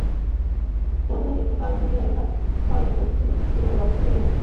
বোধ হয় দীর্ঘকাল ধরিয়া ইহার ক্ষয় চলিতেছিল, কেহ লক্ষ্য করে নাই।